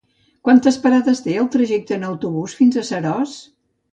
Quantes parades té el trajecte en autobús fins a Seròs?